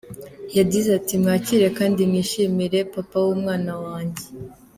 Yagize ati “Mwakire kandi mwishimire papa w’umwana wanjye”.